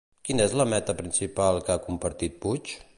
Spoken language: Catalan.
Quina és la meta principal que ha compartit Puig?